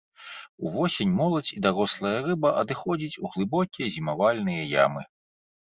Увосень моладзь і дарослая рыба адыходзіць у глыбокія зімавальныя ямы.